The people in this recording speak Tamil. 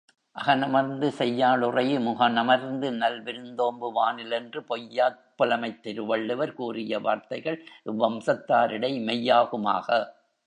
அகனமர்ந்து செய்யாளுறையு முகனமர்ந்து நல் விருந்தோம்புவானில் என்று பொய்யாப் புலமைத் திருவள்ளுவர் கூறிய வார்த்தைகள் இவ் வம்சத்தாரிடை மெய்யாகுமாக.